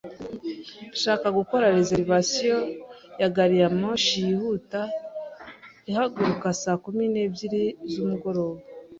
Ndashaka gukora reservation ya gari ya moshi yihuta ihaguruka saa kumi n'ebyiri z'umugoroba.